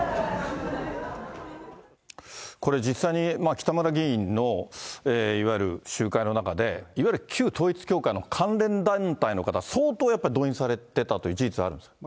これ、実際に北村議員のいわゆる集会の中で、いわゆる旧統一教会の関連団体の方、相当やっぱ動員されてたっていう事実はあるんですか。